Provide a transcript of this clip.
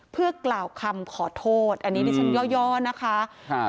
เพื่อกล่าวคำขอโทษอันนี้ดิฉันย่อนะคะครับ